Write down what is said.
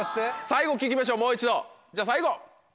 最後聞きましょうもう一度じゃあ最後。